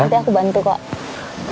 nanti aku bantu kok